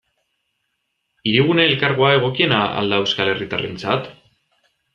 Hirigune Elkargoa egokiena al da euskal herritarrentzat?